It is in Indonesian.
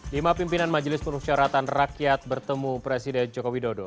lima pimpinan majelis permusyawaratan rakyat bertemu presiden joko widodo